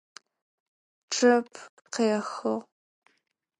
Чъэп къехыгъ.